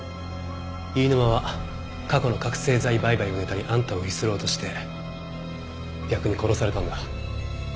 飯沼は過去の覚せい剤売買をネタにあんたをゆすろうとして逆に殺されたんだ。